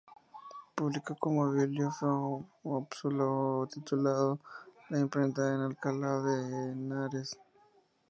Publicó como bibliófilo un opúsculo titulado "La Imprenta en Alcalá de Henares".